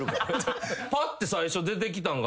ぱって最初出てきたんが。